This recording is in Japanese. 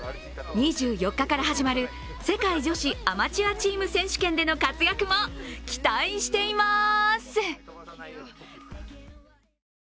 ２４日から始まる世界女子アマチュアチーム選手権での活躍も期待しています。